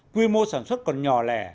quy mô sản xuất còn nhỏ lẻ